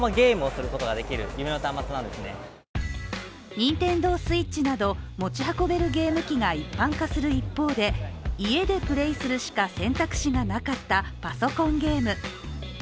ＮｉｎｔｅｎｄｏＳｗｉｔｃｈなど持ち運べるゲーム機が一般化する一方で家でプレーするしか選択肢がなかったパソコンゲーム。